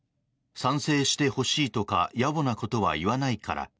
賛成してほしいとか野暮なことは言わないから。